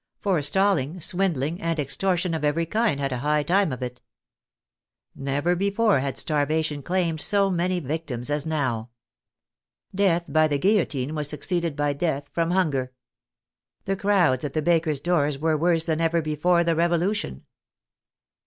Forestalling, swindling and extortion of every kind had a high time of it. Never before had starvation claimed so many victims as now. Death by the guillotine was suc ceeded by death from hunger. The crowds at the bakers' doors were worse than even before the Revolution.